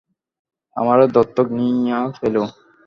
আমারে দত্তক নিয়া ফেলো।